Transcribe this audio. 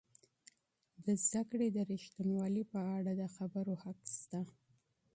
د علم د ریښتینوالی په اړه د خبرو حق سته.